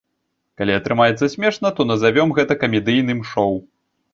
Калі атрымаецца смешна, то назавём гэта камедыйным шоу.